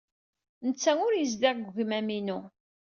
Netta ur yezdiɣ deg wegmam-inu.